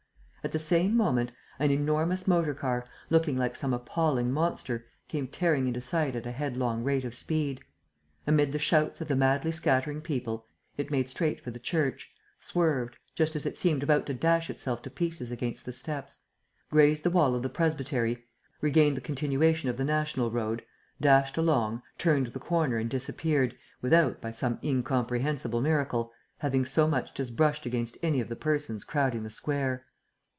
At the same moment, an enormous motor car, looking like some appalling monster, came tearing into sight at a headlong rate of speed. Amid the shouts of the madly scattering people, it made straight for the church, swerved, just as it seemed about to dash itself to pieces against the steps, grazed the wall of the presbytery, regained the continuation of the national road, dashed along, turned the corner and disappeared, without, by some incomprehensible miracle, having so much as brushed against any of the persons crowding the square.